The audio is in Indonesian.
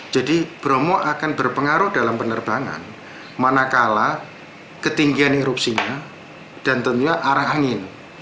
jadi bromo akan berpengaruh dalam penerbangan manakala ketinggian erupsinya dan tentunya arah angin